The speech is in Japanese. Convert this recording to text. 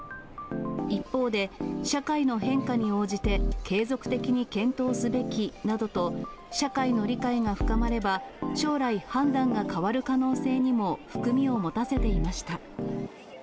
一方で、社会の変化に応じて継続的に検討すべきなどと、社会の理解が深まれば、将来、判断が変わる可能性にも含みを持たせていました。